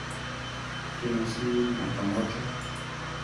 Kiná simí, nakámocho!